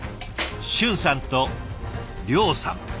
俊さんと諒さん。